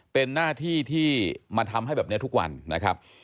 เป็นหน้าที่ที่มาทำให้แบบนี้ทุกวันนะครับ